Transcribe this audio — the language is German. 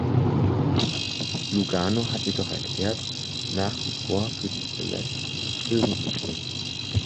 Lugano hat jedoch erklärt, nach wie vor für die "Celeste" zur Verfügung zu stehen.